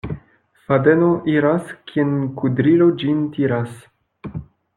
Fadeno iras, kien kudrilo ĝin tiras.